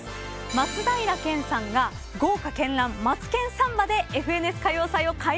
松平健さんが豪華絢爛『マツケンサンバ』で『ＦＮＳ歌謡祭』を開幕いたします。